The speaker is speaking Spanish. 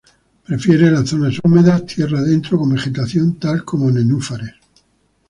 Prefiere las zonas húmedas tierra adentro con vegetación tal como nenúfares.